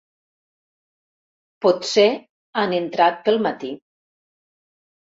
Potser han entrat pel matí.